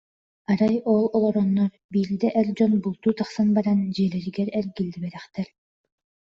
Арай ол олороннор, биирдэ эр дьон бултуу тахсан баран, дьиэлэригэр эргиллибэтэхтэр